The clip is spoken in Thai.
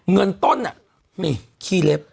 เงินต้นอ่ะมีคี่เล็บ